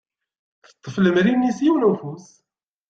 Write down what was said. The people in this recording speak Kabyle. Teṭṭef lemri-nni s yiwen n ufus.